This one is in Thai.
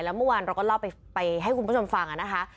แล้วเมื่อวานเราก็เล่าไปให้คุณผู้ชมฟังนะคะ